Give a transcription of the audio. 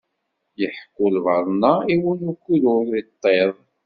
Iḥekku lbaḍna i win ukud ur iṭṭiḍ.